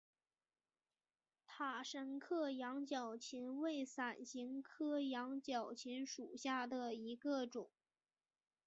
塔什克羊角芹为伞形科羊角芹属下的一个种。